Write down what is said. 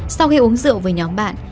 sau khi uống rượu với nhóm bạn